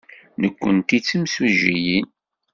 Nekkenti d timsujjiyin.